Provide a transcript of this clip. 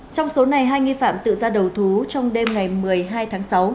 trong số này hai nghi phạm tự ra đầu thú trong đêm ngày một mươi hai tháng sáu